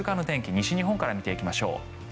西日本から見ていきましょう。